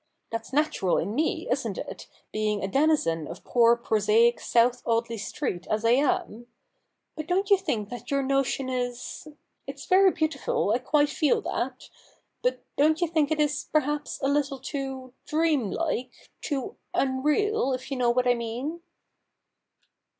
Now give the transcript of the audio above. That's natural in me, isn't it, being a denizen of poor prosaic South Audley Street as I am ? But don't you think that your notion is — it's very beautiful, I quite feel that — but don't you think it is perhaps a little too dream like — too unreal, if you know what I mean?'